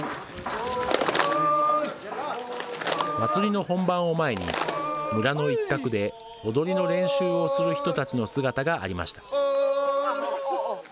祭りの本番を前に村の一角で踊りの練習をする人たちの姿がありました。